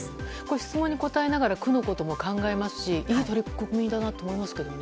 質問に答えながら区のことも考えますしいい取り組みだなと思いますけどね。